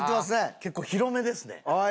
結構広めですね。